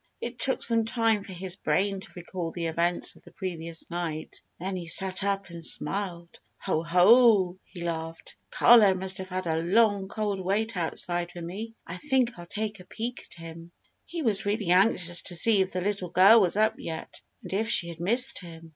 It took some time for his brain to recall the events of the previous night. Then he sat up and smiled. "Ho! Ho!" he laughed. "Carlo must have had a long, cold wait outside for me. I think I'll take a peek at him." He was really anxious to see if the little girl was up yet, and if she had missed him.